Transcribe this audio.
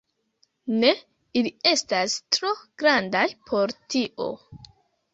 Ne, ili estas tro grandaj por tio